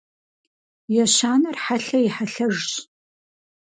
Ещанэр хьэлъэ и хьэлъэжщ.